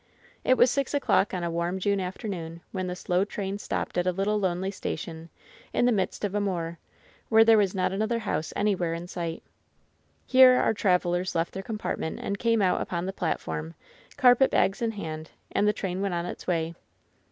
It was six o'clock on a warm June afternoon when the slow train stopped at a little, lonely station, in the midst of a moor, where there was not another house anywhere in sight. Here our travelers left their compartment and came out upon th^ platform, carpetbags in hand; and the train went on its Way.